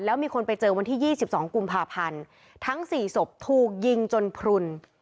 แล้วมีคนไปเจอวันที่๒๒กุมภาพันธ์ทั้ง๔ศพถูกยิงจนพลุน